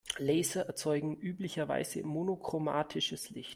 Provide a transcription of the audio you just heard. Laser erzeugen üblicherweise monochromatisches Licht.